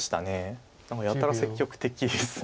何かやたら積極的です。